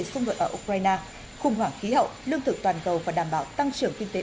xung đột ở ukraine khủng hoảng khí hậu lương thực toàn cầu và đảm bảo tăng trưởng kinh tế